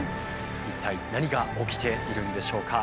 一体何が起きているんでしょうか？